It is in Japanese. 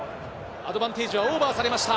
アドバンテージはオーバーされました。